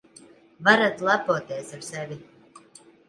Varat lepoties ar sevi.